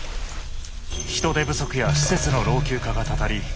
人手不足や施設の老朽化がたたり